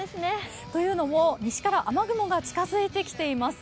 というのも西から雨雲が近づいてきています。